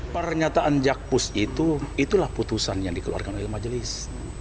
pernyataan jakpus itu itulah putusan yang dikeluarkan oleh majelis